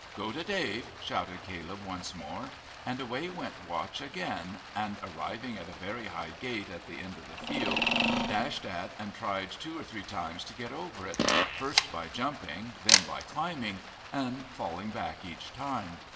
"Go to Dave," shouted Caleb once more; and away went Watch again, and arriving at a very high gate at the end of the field dashed at and tried two or three times to get over it, first by jumping, then by climbing, and falling back each time.